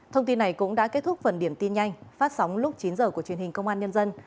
thông tin này cũng đã kết thúc phần điểm tin nhanh phát sóng lúc chín h của truyền hình công an nhân dân